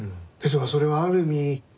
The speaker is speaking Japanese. ですがそれはある意味